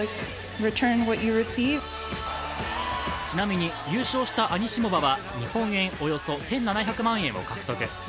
ちなみに優勝したアニシモバは日本円およそ１７００万円を獲得。